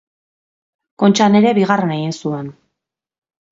Kontxan ere bigarren egin zuen.